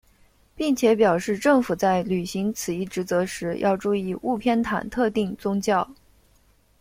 并且表示政府在履行此一职责时要注意勿偏袒特定宗教。